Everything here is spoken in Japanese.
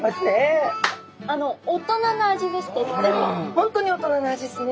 本当に大人な味ですね